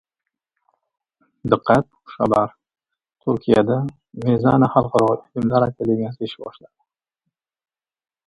Diqqat, xushxabar! Turkiyada "Mezana" xalqaro ilmlar akademiyasi ish boshladi